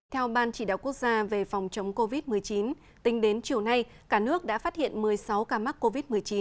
theo ban chỉ đạo quốc gia về phòng chống covid một mươi chín tính đến chiều nay cả nước đã phát hiện một mươi sáu ca mắc covid một mươi chín